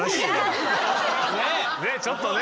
ねえちょっとね。